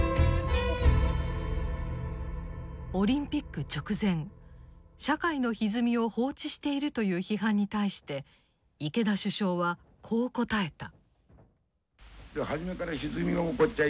オリンピック直前社会のひずみを放置しているという批判に対して池田首相はこう答えた。